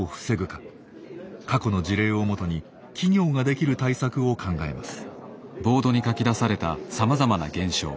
過去の事例を基に企業ができる対策を考えます。